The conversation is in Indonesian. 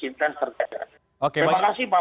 intens terkait terima kasih pak